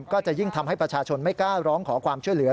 ก็จะยิ่งทำให้ประชาชนไม่กล้าร้องขอความช่วยเหลือ